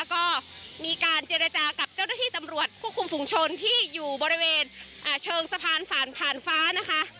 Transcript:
ก็มีการเจรจากับเจ้าหน้าที่ตำรวจควบคุมฝุงชนที่อยู่บริเวณเชิงสะพานผ่านฟ้านะคะ